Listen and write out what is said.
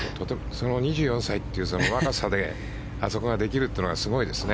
２４歳という若さであそこができるというのがすごいですね。